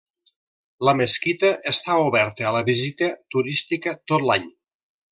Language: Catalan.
La mesquita està oberta a la visita turística tot l'any.